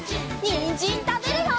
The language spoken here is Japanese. にんじんたべるよ！